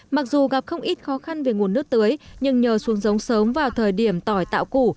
mặc dù gặp không ít khó khăn về nguồn nước tưới nhưng nhờ xuống giống sớm vào thời điểm tỏi tạo củ